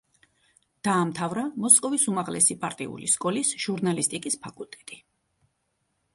დაამთავრა მოსკოვის უმაღლესი პარტიული სკოლის ჟურნალისტიკის ფაკულტეტი.